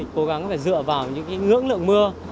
cố gắng phải dựa vào những ngưỡng lượng mưa